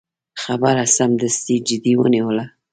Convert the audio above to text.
خبره سمدستي جدي ونیوله.